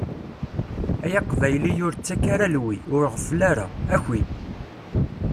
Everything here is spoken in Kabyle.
Ay Aqbayli ur ttakk ara lwi, ur ɣeffel ara, aki.